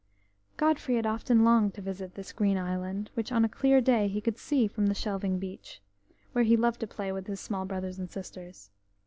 Godfrey had often longed to visit this Green Island, which on a clear day he could see from the shelving beach, where he loved to play with his small brothers and sisters.